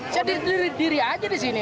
jadi diri aja di sini